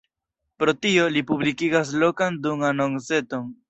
Pro tio, li publikigas lokan dung-anonceton.